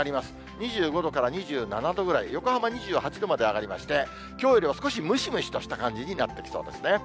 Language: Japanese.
２５度から２７度ぐらい、横浜２８度まで上がりまして、きょうより少しムシムシとした感じになってきそうですね。